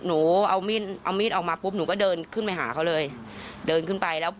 หนูเอามีดเอามีดออกมาปุ๊บหนูก็เดินขึ้นไปหาเขาเลยเดินขึ้นไปแล้ว